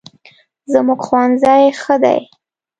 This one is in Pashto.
زموږ ښوونځی ښه دی